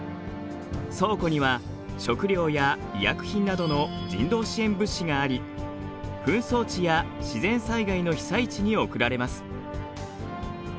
倉庫には食料や医薬品などの人道支援物資があり紛争地や自然災害の被災地に送られます。